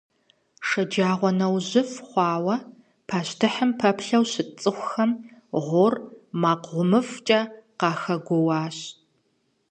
ШэджагъуэнэужьыфӀ хъуауэ пащтыхьым пэплъэу щыт цӀыхухэм гъуор макъ гъумыфӀкӀэ къахэгуоуащ.